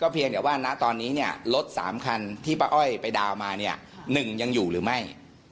เพียงแต่ว่านั้นตอนนี้รถ๓คันที่ป้าอ้อยไปดาวน์มายังอยู่หรือไม่